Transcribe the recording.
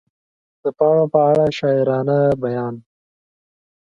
د پاڼو په اړه شاعرانه بیان